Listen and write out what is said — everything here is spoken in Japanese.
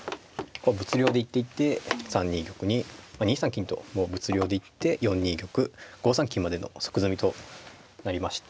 こう物量で行っていって３二玉に２三金と物量で行って４二玉５三金までの即詰みとなりました。